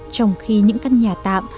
trong khi những căn nhà tạm